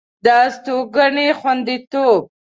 د استوګنې خوندیتوب